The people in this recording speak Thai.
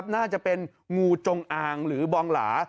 น่าจะเป็นงูจงอางหรือบองหลา